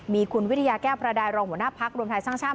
มีคุณวิทยาแก้วประดายรองหัวหน้าพักรวมไทยสร้างชาติ